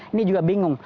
ini juga bingung